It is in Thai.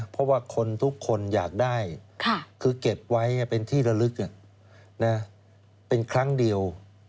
เพราะว่าคนทุกคนอยากได้คือเก็บไว้เป็นที่ระลึกเป็นครั้งเดียว